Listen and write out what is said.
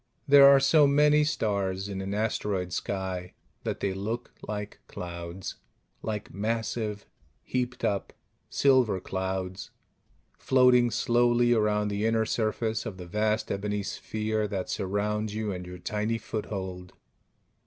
There are so many stars in an asteroid sky that they look like clouds; like massive, heaped up silver clouds floating slowly around the inner surface of the vast ebony sphere that surrounds you and your tiny foothold.